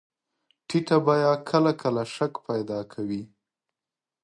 ټیټه بیه کله کله شک پیدا کوي.